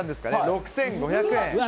６５００円。